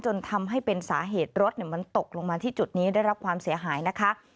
จนทำให้เป็นสาเหตุรถมันตกลงมาที่จุดนี้ได้รับความเสียหายนะคะ